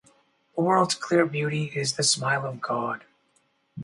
The world's clear beauty is the smile of God.